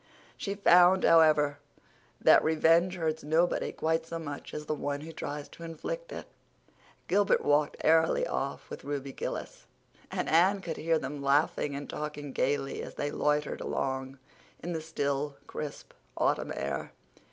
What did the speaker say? She found, however, that revenge hurts nobody quite so much as the one who tries to inflict it. Gilbert walked airily off with Ruby Gillis, and Anne could hear them laughing and talking gaily as they loitered along in the still, crisp autumn air.